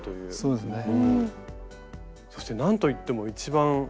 そうですね。